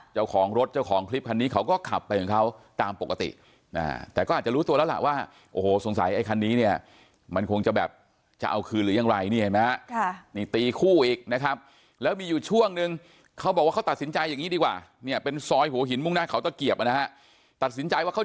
เจ้าของรถเจ้าของคลิปคันนี้เขาก็ขับไปของเขาตามปกติแต่ก็อาจจะรู้ตัวแล้วล่ะว่าโอ้โหสงสัยไอ้คันนี้เนี่ยมันคงจะแบบจะเอาคืนหรือยังไรนี่เห็นไหมฮะนี่ตีคู่อีกนะครับแล้วมีอยู่ช่วงนึงเขาบอกว่าเขาตัดสินใจอย่างนี้ดีกว่าเนี่ยเป็นซอยหัวหินมุ่งหน้าเขาตะเกียบนะฮะตัดสินใจว่าเขา